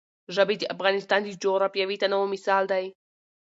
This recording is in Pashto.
ژبې د افغانستان د جغرافیوي تنوع مثال دی.